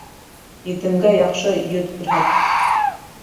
Етемгә яҡшы йөҙ күрһәт.